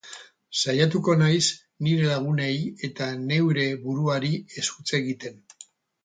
Saiatuko naiz nire lagunei eta neure buruari ez huts egiten.